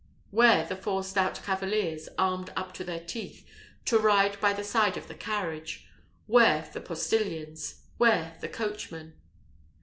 where the four stout cavaliers, armed up to the teeth, to ride by the side of the carriage? where the postilions? where the coachman?